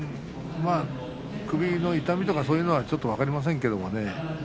首の痛みだとかそういうのはちょっと分かりませんけれどもね